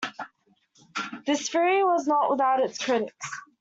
This theory was not without its critics.